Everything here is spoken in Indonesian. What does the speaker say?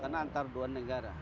karena antar dua negara